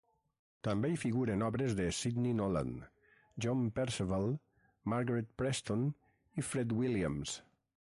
També hi figuren obres de Sidney Nolan, John Perceval Margaret Preston i Fred Williams.